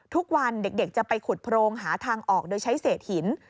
ทุกวันเด็กจะไปขุดโพรงหาทางออกโดยใช้เศษหิน